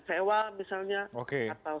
sewa misalnya atau